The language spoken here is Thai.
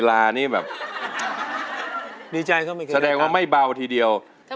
มาพบกันว่าร้องได้บอกเลยว่า